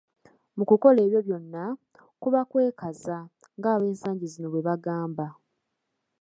Mu kukola ebyo byonna, kuba kwekaza, nga ab'ensangi zino bwebagamba.